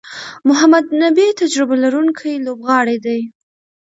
محمد نبي تجربه لرونکی لوبغاړی دئ.